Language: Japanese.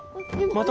また。